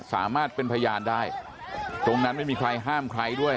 สามารถเป็นพยานได้ตรงนั้นไม่มีใครห้ามใครด้วย